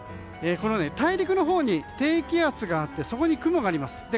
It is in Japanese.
大陸のほうに低気圧があってそこに雲があります。